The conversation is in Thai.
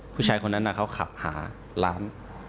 ผู้ชายคนนั้นเขาขับหาร้าน